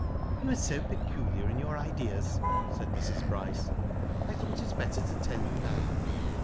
"You are so peculiar in your ideas," said Mrs. Bryce. *'I thought it better to tell you now."